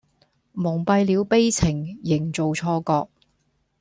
蒙蔽了悲情營造錯覺